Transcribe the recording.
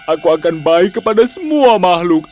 aku akan baik kepada semua makhluk